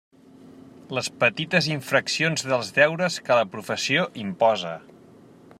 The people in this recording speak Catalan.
Les petites infraccions dels deures que la professió imposa.